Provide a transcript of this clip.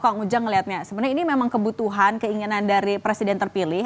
kang ujang melihatnya sebenarnya ini memang kebutuhan keinginan dari presiden terpilih